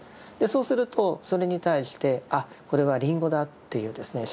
そうするとそれに対して「あっこれはリンゴだ」っていうですね